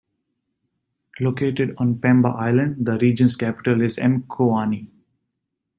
Located on Pemba Island, the region's capital is Mkoani.